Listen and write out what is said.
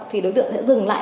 thì đối tượng sẽ dừng lại